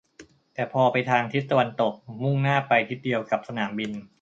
แต่พอไปทางทิศตะวันตกมุ่งหน้าไปทิศเดียวกับสนามบิน